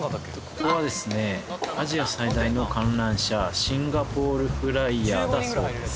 ここはですねアジア最大の観覧車シンガポール・フライヤーだそうです